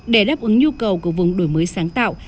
để đáp ứng nhu cầu của vùng đổi mới sáng tạo